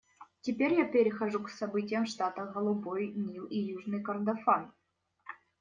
Теперь я перехожу к событиям в штатах Голубой Нил и Южный Кордофан.